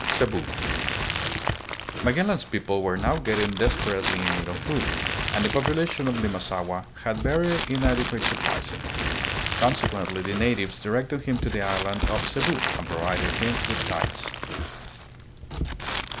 Cebu. Magellan's people were now getting desper ately in need of food, and the population on Limasaua had very inadequate supplies; consequently the natives directed him to the island of Cebu, and provided him with guides.